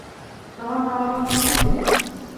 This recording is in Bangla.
আর মা-বাবা মেনে নিবে?